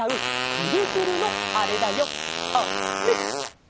くるくるのあれだよあれ！